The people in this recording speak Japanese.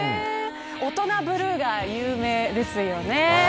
大人ブルーが有名ですよね。